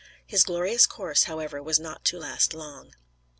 His glorious course, however, was not to last long.